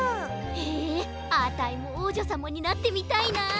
へえあたいもおうじょさまになってみたいな。